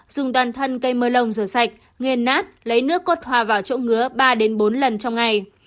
dùng toàn thân cây mơ lông rửa sạch nghiền nát lấy nước cốt hòa vào chỗ ngứa ba bốn lần trong ngày